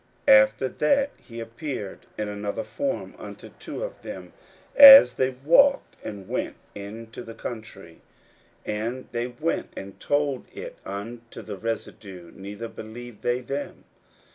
41:016:012 After that he appeared in another form unto two of them, as they walked, and went into the country. 41:016:013 And they went and told it unto the residue: neither believed they them.